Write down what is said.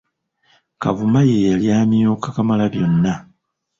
Kavuma ye yali amyuka Kamalabyonna.